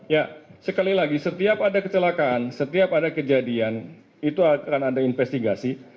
ya sekali lagi setiap ada kecelakaan setiap ada kejadian itu akan ada investigasi